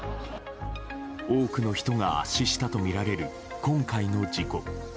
多くの人が圧死したとみられる今回の事故。